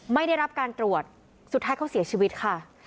ไม่ได้รับการตรวจสุดท้ายเขาเสียชีวิตค่ะ